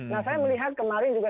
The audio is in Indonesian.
nah saya melihat kemarin juga